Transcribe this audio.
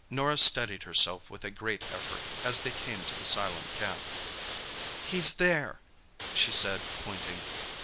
Norah steadied herself with a great effort, as they came to the silent camp. "He's there," she said, pointing.